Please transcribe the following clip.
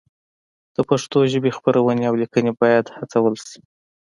د پښتو ژبې خپرونې او لیکنې باید هڅول شي.